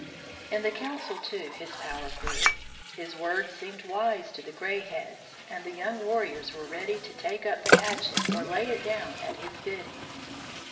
In the council, too, his power grew. His words seemed wise to the gray heads, and the young warriors were ready to take up the hatchet or lay it down at his bidding.